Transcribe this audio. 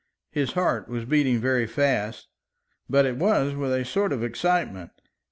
His heart was beating very fast, but it was with a sort of excitement.